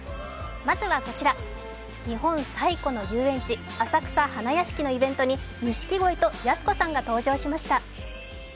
まずはこちら、日本最古の遊園地浅草花やしきのイベントに錦織とやす子さんが登場しました。